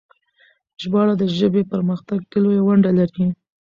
ژباړه د ژبې په پرمختګ کې لويه ونډه لري.